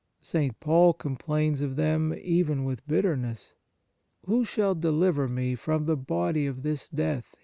St. Paul complains of them even with bitterness. " Who shall deliver me from the body of this death